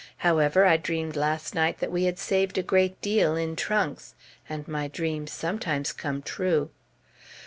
However, I dreamed last night that we had saved a great deal, in trunks; and my dreams sometimes come true.